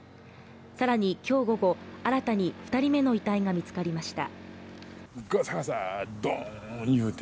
更に今日午後新たに２人目の遺体が見つかりました。